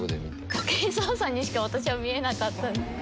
武井壮さんにしか私は見えなかった。